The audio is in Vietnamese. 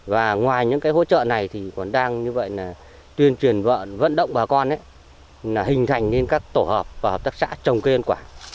và ngoài những cái hỗ trợ này thì còn đang như vậy là tuyên truyền vận động bà con là hình thành nên các tổ hợp và hợp tác xã trồng cây ăn quả